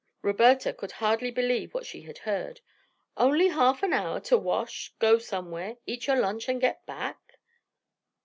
Roberta could hardly believe what she had heard. "Only half an hour to wash, go somewhere, eat your lunch and get back?